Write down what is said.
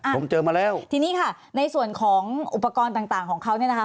ผมเจอมาแล้วทีนี้ค่ะในส่วนของอุปกรณ์ต่างต่างของเขาเนี่ยนะคะ